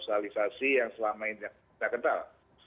sosialisasi yang selama ini tidak kental